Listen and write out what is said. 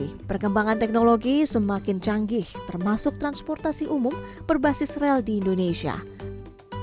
terus terkandung oleh pelosok muda dan jurusan secara yang semuraya bisa beredar dipulih ave